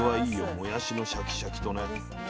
もやしのシャキシャキとね。